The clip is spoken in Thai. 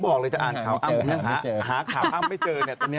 ก็ไม่เห็นเป็นอะไรเลยหาข่าวอ้ำไม่เจอ